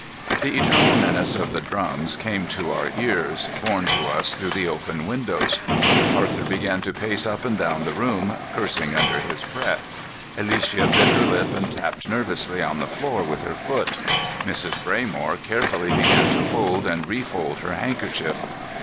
The eternal menace of the drums came to our ears, borne to us through the open windows. Arthur began to pace up and down the room, cursing under his breath. Alicia bit her lip and tapped nervously on the floor with her foot. Mrs. Braymore carefully began to fold and refold her handkerchief.